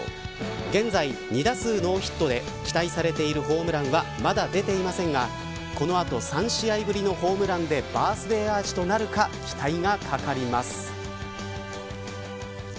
現在、２打数ノーヒットで期待されているホームランはまだ出ていませんがこの後３試合ぶりのホームランでバースデーアーチとなるか期待がかかります。